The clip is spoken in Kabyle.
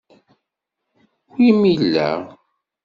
Wi m-illa?